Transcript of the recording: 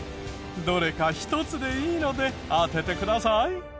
どれか１つでいいので当ててください。